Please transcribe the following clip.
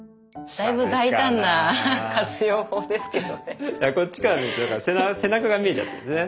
だからこっちから見ると背中が見えちゃってるんですね。